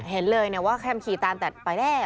เห็นเลยว่าแคมขี่ตามแต่ไปแล้ว